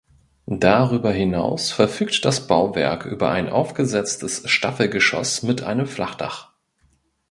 Darüber hinaus verfügt das Bauwerk über ein aufgesetztes Staffelgeschoss mit einem Flachdach.